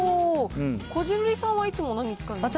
こじるりさんはいつも何使いますか。